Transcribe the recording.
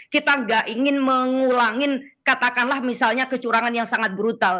kita nggak ingin mengulangi katakanlah misalnya kecurangan yang sangat brutal